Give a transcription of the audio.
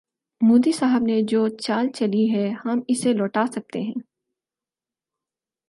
مودی صاحب نے جو چال چلی ہے، ہم اسے لوٹا سکتے ہیں۔